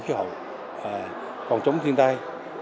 khí hội còn chống thiên tai